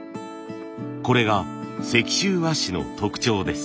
これが石州和紙の特徴です。